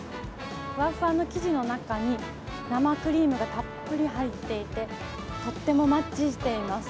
ふわふわの生地の中に生クリームがたっぷり入っていてとってもマッチしています。